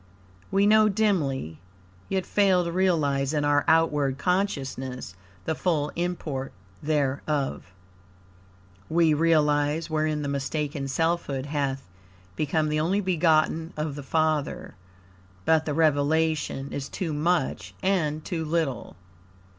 We know dimly, yet fail to realize in our outward consciousness the full import thereof. We realize wherein the mistaken selfhood hath become the only begotten of the Father, but the revelation is too much, and too little.